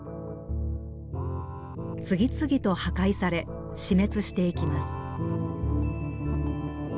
次々と破壊され死滅していきます。